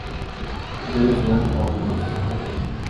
There is one farmhouse.